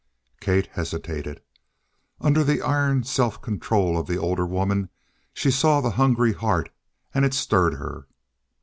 Kate hesitated. Under the iron self control of the older woman she saw the hungry heart, and it stirred her.